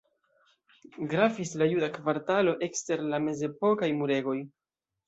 Gravis la juda kvartalo ekster la mezepokaj muregoj.